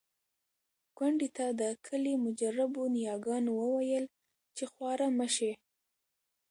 کونډې ته د کلي مجربو نياګانو وويل چې خواره مه شې.